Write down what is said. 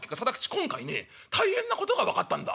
今回ね大変なことが分かったんだ」。